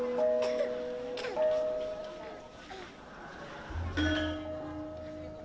diangkat kembali ke kota